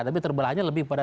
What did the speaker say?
tapi terbelahnya lebih berat